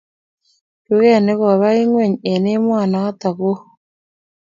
Duket ni koba ingweny eng emonotok oo